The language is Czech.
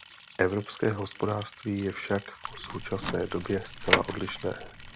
Evropské hospodářství je však v současné době zcela odlišné.